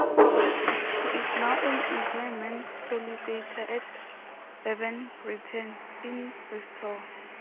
He is now an employment solicitor at Bevan Brittan in Bristol.